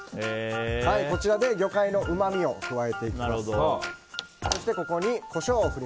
こちらで魚介のうまみを加えていきます。